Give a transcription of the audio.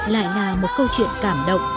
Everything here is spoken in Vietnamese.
lại là một câu chuyện cảm động